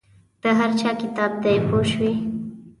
د هر چا کتاب دی پوه شوې!.